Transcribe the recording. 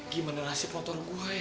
gimana rahasia motor gua ya